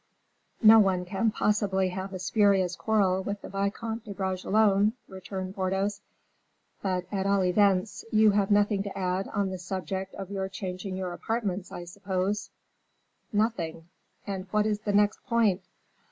"No one can possibly have a spurious quarrel with the Vicomte de Bragelonne," returned Porthos; "but, at all events, you have nothing to add on the subject of your changing your apartments, I suppose?" "Nothing. And what is the next point?"